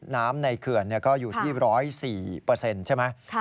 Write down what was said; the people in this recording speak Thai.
น้ำในเขือนก็อยู่ที่๑๐๔เปอร์เซ็นต์ใช่ไหม